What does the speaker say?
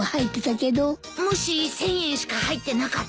もし１，０００円しか入ってなかったら？